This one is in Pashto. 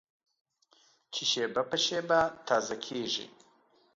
چې شېبه په شېبه تازه کېږي.